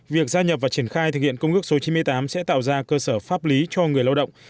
việc gia nhập và triển khai thực hiện công ước số chín mươi tám sẽ tạo ra cơ sở pháp lý cho người lao động